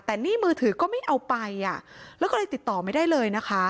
แต่หนี้มือถือก็ไม่เอาไปอ่ะแล้วก็เลยติดต่อไม่ได้เลยนะคะ